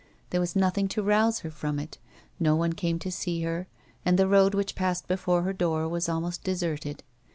There was nothing to rouse her from it, no one came to see her, and the road which passed before her door was almost deserted.